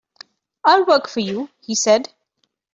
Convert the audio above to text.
"I'll work for you," he said.